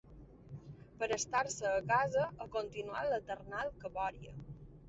Per estar-se a casa a continuar l'eternal cabòria